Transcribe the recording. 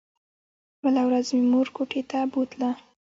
بله ورځ مې مور کوټې ته بوتله.